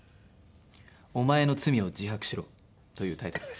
『おまえの罪を自白しろ』というタイトルです。